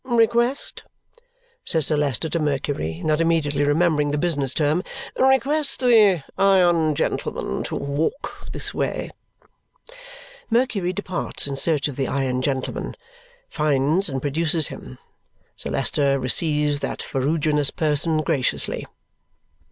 Request," says Sir Leicester to Mercury, not immediately remembering the business term, "request the iron gentleman to walk this way." Mercury departs in search of the iron gentleman, finds, and produces him. Sir Leicester receives that ferruginous person graciously.